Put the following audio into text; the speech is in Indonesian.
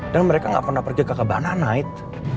dan mereka gak pernah pergi ke kabana night